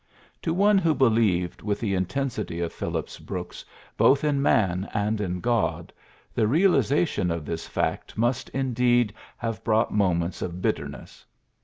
To one who believed with the intensity of Phil lips Brooks both in man and in God, the realization of this fact must indeed have brought moments of bitterness.